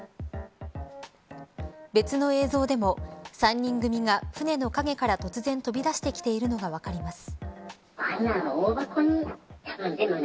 別の映像でも３人組が、船の陰から突然、飛び出してきているのが分かります。